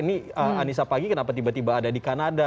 ini anissa pagi kenapa tiba tiba ada di kanada